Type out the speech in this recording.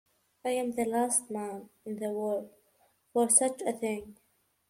I am the last man in the world for such a thing.